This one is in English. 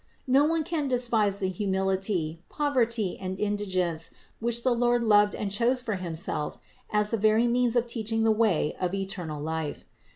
No one can despise the humility, poverty and indigence, which the Lord loved and chose for Himself as the very means of teaching the way of eternal life.